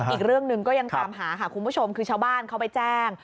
อีกเรื่องหนึ่งก็ยังตามหาค่ะคุณผู้ชมคือชาวบ้านเขาไปแจ้ง